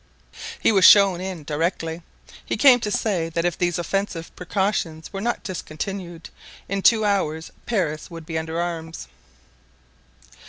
He was shown in directly; he came to say that if these offensive precautions were not discontinued, in two hours Paris would be under arms.